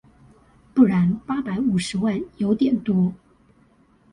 不然八百五十萬有點多